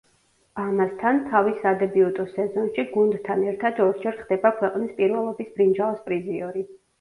ამასთან, თავის სადებიუტო სეზონში გუნდთან ერთად ორჯერ ხდება ქვეყნის პირველობის ბრინჯაოს პრიზიორი.